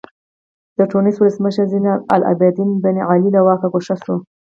د ټونس ولسمشر زین العابدین بن علي له واکه ګوښه شو.